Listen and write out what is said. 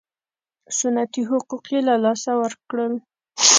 سنتي حقوق یې له لاسه ورکړل.